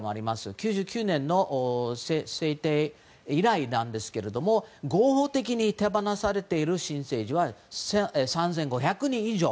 ９９年の制定以来ですが合法的に手放されている新生児は３５００人以上。